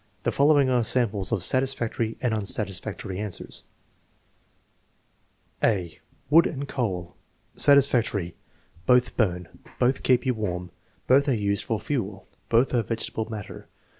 The following are samples of satis factory and unsatisfactory answers : 1 (a) Wood and coal Satisfactory. "Both burn." "Both keep you warm." "Both are used for fuel." "Both are vegetable matter."